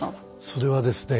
それはですね